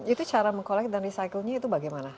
itu cara meng collect dan recycle nya itu bagaimana